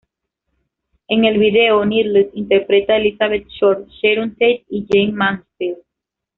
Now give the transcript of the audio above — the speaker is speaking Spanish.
En el vídeo, Needles interpreta a Elizabeth Short, Sharon Tate y Jayne Mansfield.